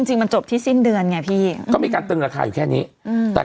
จริงมันจบที่สิ้นเดือนไงพี่ก็มีการตึงราคาอยู่แค่นี้อืมแต่